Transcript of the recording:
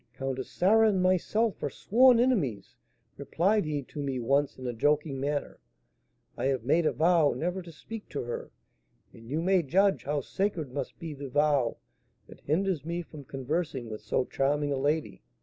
'Countess Sarah and myself are sworn enemies,' replied he to me once in a joking manner; 'I have made a vow never to speak to her; and you may judge how sacred must be the vow that hinders me from conversing with so charming a lady.'